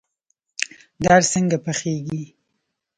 دال څنګه پخیږي؟